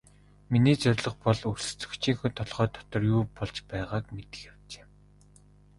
Миний зорилго бол өрсөлдөгчийнхөө толгой дотор юу болж байгааг мэдэх явдал юм.